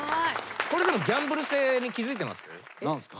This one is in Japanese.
これギャンブル性に気付いてます？